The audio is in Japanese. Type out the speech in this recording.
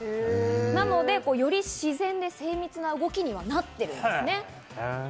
なので、より自然で精密な動きになっています。